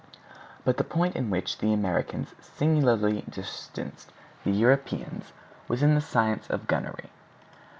But the point in which the Americans singularly distanced the Europeans was in the science of gunnery.